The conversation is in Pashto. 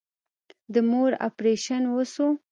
د مور اپريشن وسو.